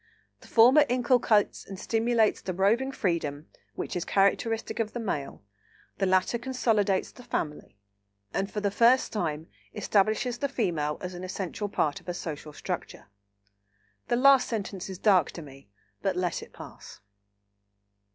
The former inculcates and stimulates the roving freedom which is characteristic of the Male, the latter consolidates the family, and for the first time establishes the Female as an essential part of a social structure." (The last sentence is dark to me, but let it pass.)